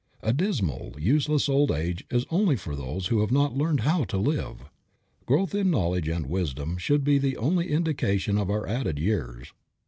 A dismal, useless old age is only for those who have not learned how to live. Growth in knowledge and wisdom should be the only indication of our added years.